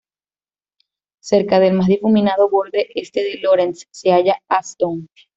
Cerca del más difuminado borde este de Lorentz se halla Aston.